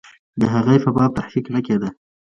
د هغې په باب تحقیق نه کېده.